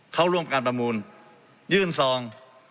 เข้าร่วมการประมูลยื่นซอง